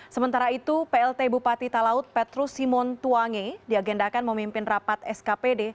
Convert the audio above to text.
sementara itu plt bupati talaut petrus simon tuange diagendakan memimpin rapat skpd